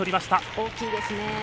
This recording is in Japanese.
大きいですね。